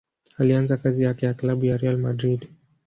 Alianza kazi yake na klabu ya Real Madrid.